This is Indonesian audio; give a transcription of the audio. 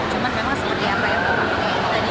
cuma memang seperti apa yang terjadi